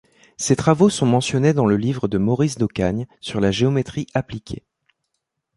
Ces travaux sont mentionnés dans le livre de Maurice d'Ocagne sur la géométrie appliquée.